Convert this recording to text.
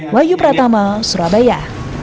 wayu pratama surabaya